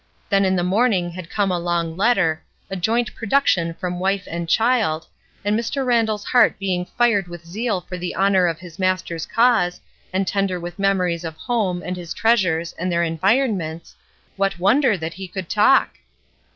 Then in the morning had come a long letter, a joint production from wife and child, and Mr. Randall's heart being fired with zeal for the honor of his Master's cause, and tender with memories of home and his treasures and their environments, what wonder that he could talk